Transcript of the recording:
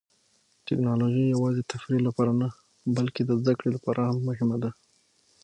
ټیکنالوژي یوازې د تفریح لپاره نه، بلکې د زده کړې لپاره هم مهمه ده.